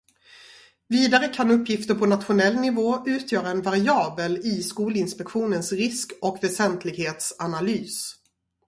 Vidare kan uppgifter på nationell nivå utgöra en variabel i Skolinspektionens risk- och väsentlighetsanalys.